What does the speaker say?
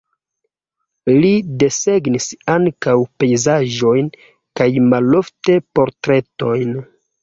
Li desegnis ankaŭ pejzaĝojn kaj malofte portretojn.